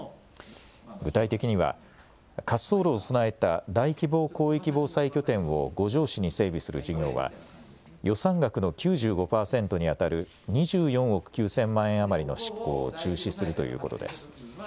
具体的には滑走路を備えた大規模広域防災拠点を五條市に整備する事業は予算額の９５％にあたる２４億９０００万円余りの執行を中止するということです。